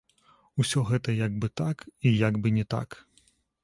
Усё гэта як бы так і як бы не так.